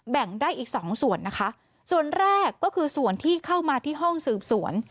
แบ่งได้อีกสองส่วนนะคะส่วนแรกก็คือส่วนที่เข้ามาที่ห้องสืบสวน